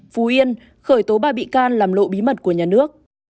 phú yên khởi tố ba bị can làm lộ bí mật của nhà nước